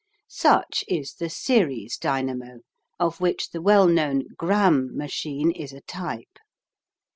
Such is the "series" dynamo, of which the well known Gramme machine is a type.